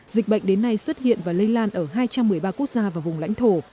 dịch bệnh đến nay xuất hiện và lây lan ở hai trăm một mươi ba quốc gia và vùng lãnh thổ